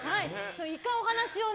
１回お話をね。